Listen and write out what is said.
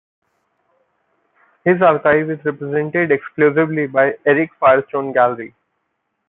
His archive is represented exclusively by Eric Firestone Gallery.